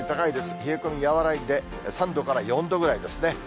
冷え込み和らいで、３度から４度ぐらいですね。